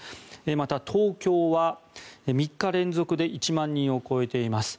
また、東京は３日連続で１万人を超えています。